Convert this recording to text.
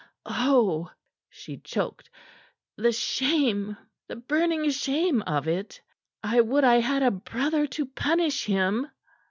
Oh!" she choked. "The shame the burning shame of it! I would I had a brother to punish him!"